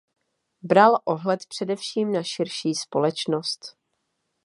Bral ohled především na širší společnost.